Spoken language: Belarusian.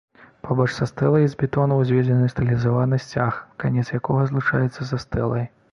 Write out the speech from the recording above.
Побач са стэлай з бетону ўзведзены стылізаваны сцяг, канец якога злучаецца са стэлай.